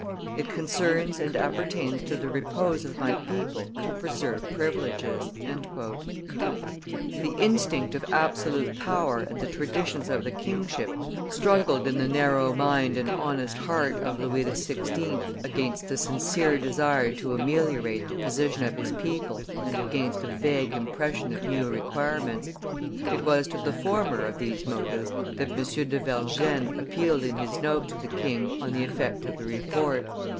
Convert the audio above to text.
It concerns and appertains to the repose of my people to preserve privileges." The instinct of absolute power and the traditions of the kingship struggled in the narrow mind and honest heart of Louis XVI. against the sincere desire to ameliorate the position of his people and against a vague impression of new requirements. It was to the former of these motives that M. de Vergennes appealed in his Note to the king on the effect of the Report.